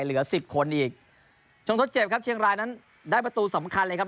เหลือสิบคนอีกชงทดเจ็บครับเชียงรายนั้นได้ประตูสำคัญเลยครับ